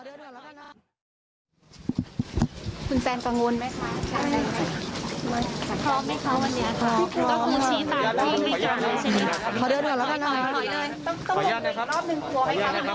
คุณแซนกังวลไหมคะ